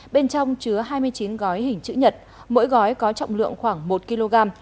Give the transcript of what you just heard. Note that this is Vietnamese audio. bên trong chứa hai mươi chín gói hình chữ nhật mỗi gói có trọng lượng khoảng một kg